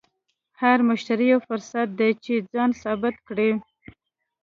هر مشتری یو فرصت دی چې ځان ثابت کړې.